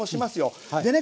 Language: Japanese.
でね